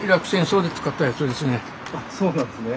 あっそうなんですね。